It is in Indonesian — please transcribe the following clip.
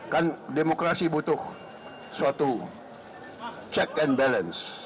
kan demokrasi butuh suatu check and balance